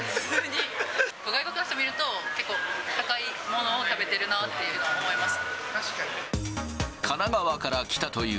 外国の人見ると、結構高いものを食べているなって思います。